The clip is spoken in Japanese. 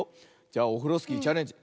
じゃオフロスキーチャレンジ。